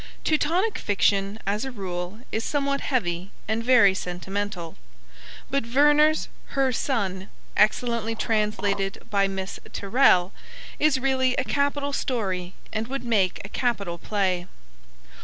Teutonic fiction, as a rule, is somewhat heavy and very sentimental; but Werner's Her Son, excellently translated by Miss Tyrrell, is really a capital story and would make a capital play.